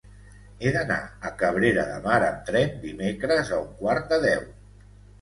He d'anar a Cabrera de Mar amb tren dimecres a un quart de deu.